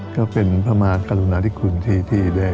ก็เป็นพระมหากรุณาธิคุณที่ได้